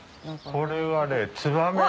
これはね。